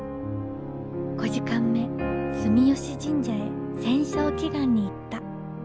５時間目住吉神社へ戦勝祈願に行った。